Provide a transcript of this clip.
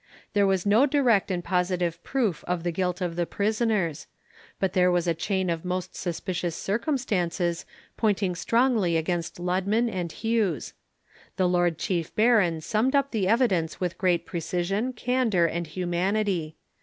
There was no direct and positive proof of the guilt of the prisoners; but there was a chain of most suspicious circumstances pointing strongly against Ludman and Hughes. The lord chief baron summed up the evidence with great precision, candour, and humanity.